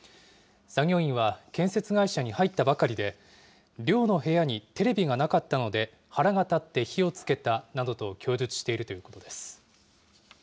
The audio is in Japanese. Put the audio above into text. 作業員は建設会社に入ったばかりで、寮の部屋にテレビがなかったので、腹が立って火をつけたなどと供述しているということです。